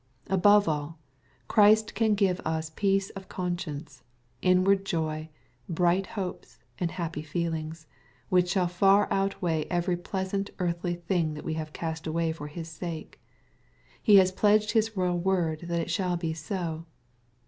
Above all, Christ can give us peace of conscience, inward joy, bright hopes, and happy feelings, which shall far outweigh every pleasant earthly thing that we have cast away for His sake. He has pledged His royal word that it shall be so.